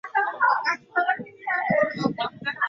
Wanatoa majimaji puani mdomoni na machoni kwa wakati mmoja